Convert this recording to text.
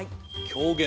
狂言。